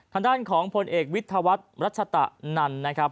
ทางด้านของผลเอกวิทยาวัฒน์รัชตะนันนะครับ